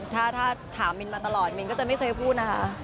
ถ้าถามมินมาตลอดมินก็จะไม่เคยพูดนะคะ